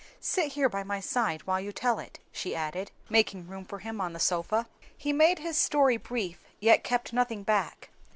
"Sit here by my side while you tell it," she added, making room for him on the sofa. He made his story brief, yet kept nothing back.